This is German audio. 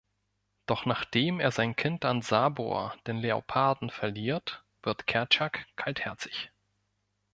Doch nachdem er sein Kind an Sabor, den Leoparden, verliert, wird Kertschak kaltherzig.